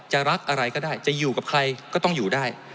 รักอะไรก็ได้จะอยู่กับใครก็ต้องอยู่ได้